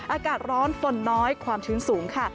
อากาศร้อนฝนน้อยความชื้นสูงค่ะ